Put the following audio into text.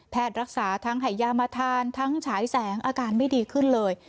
รักษาทั้งให้ยามาทานทั้งฉายแสงอาการไม่ดีขึ้นเลย